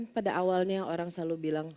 pada awalnya orang selalu bilang